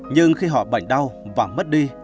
nhưng khi họ bệnh đau và mất đi